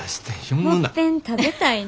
「もっぺん食べたいな」。